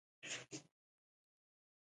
چټکې اقتصادي ودې ته زمینه برابره شوه.